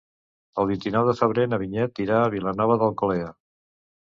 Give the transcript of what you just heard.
El vint-i-nou de febrer na Vinyet irà a Vilanova d'Alcolea.